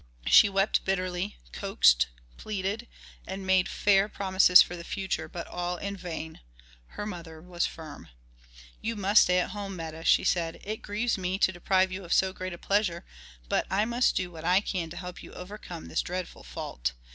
She wept bitterly, coaxed, pleaded, and made fair promises for the future, but all in vain. Her mother was firm. "You must stay at home, Meta," she said. "It grieves me to deprive you of so great a pleasure, but I must do what I can to help you to overcome this dreadful fault.